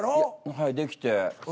はいできて。